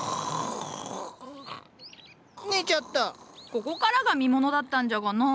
ここからが見ものだったんじゃがな。